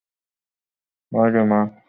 আরেহ, মা?